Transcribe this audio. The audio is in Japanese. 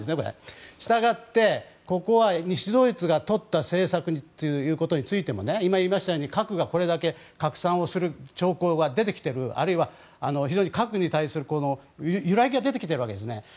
したがって、ここは西ドイツが取った政策ということについても今言いましたように核がこれだけ拡散する兆候が出てきているあるいは非常に核に対する揺らぎが出てきているわけですね。